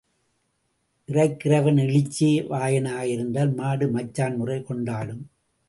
இறைக்கிறவன் இளிச்ச வாயனாக இருந்தால் மாடு மச்சான் முறை கொண்டாடும்.